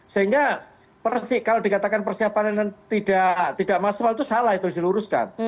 sehingga persiapan kalau dikatakan persiapan yang tidak maksimal itu salah itu diluluskan